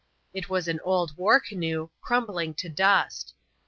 It was an old war canoe, crumbling to dust.